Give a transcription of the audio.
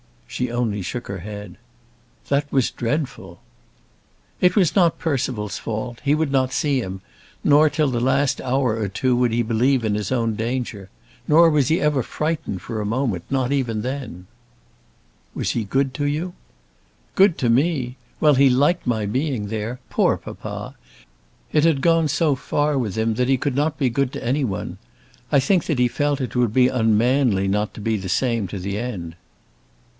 She only shook her head. "That was dreadful." "It was not Percival's fault. He would not see him; nor till the last hour or two would he believe in his own danger. Nor was he ever frightened for a moment, not even then." "Was he good to you?" "Good to me! Well; he liked my being there. Poor papa! It had gone so far with him that he could not be good to any one. I think that he felt that it would be unmanly not to be the same to the end."